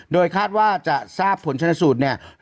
โดยคาดว่าจะทราบผลชนสูตรเนี่ย